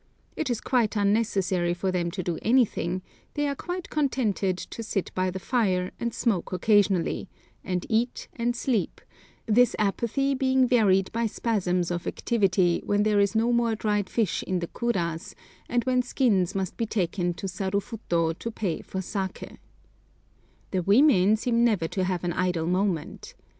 It is quite unnecessary for them to do anything; they are quite contented to sit by the fire, and smoke occasionally, and eat and sleep, this apathy being varied by spasms of activity when there is no more dried flesh in the kuras, and when skins must be taken to Sarufuto to pay for saké. The women seem never to have an idle moment.